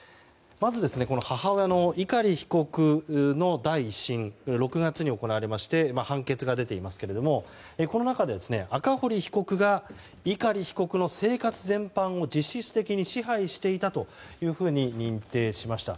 まず、母親の碇被告の第１審６月に行われまして判決が出ていますがこの中で赤堀被告が碇被告の生活全般を実質的に支配していたというふうに認定しました。